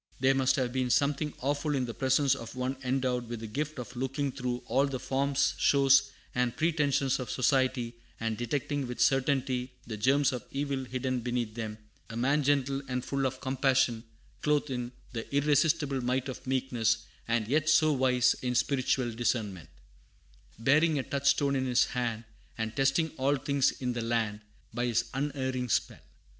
There must have been something awful in the presence of one endowed with the gift of looking through all the forms, shows, and pretensions of society, and detecting with certainty the germs of evil hidden beneath them; a man gentle and full of compassion, clothed in "the irresistible might of meekness," and yet so wise in spiritual discernment, "Bearing a touchstone in his hand And testing all things in the land By his unerring spell.